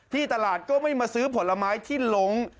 ที่ตลาดก็ไม่มาซื้อผลไม้ที่หลง